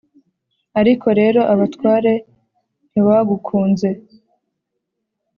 ariko rero abatware ntibagukunze